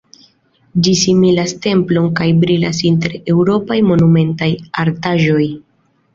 Ĝi similas templon kaj brilas inter eŭropaj monumentaj artaĵoj!